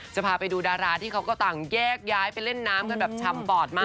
จะพาไปดูดาราที่เขาก็ต่างแยกย้ายไปเล่นน้ำกันแบบชำปอดมาก